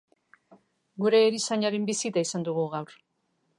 Gure erizainaren bisita izan dugu gaur.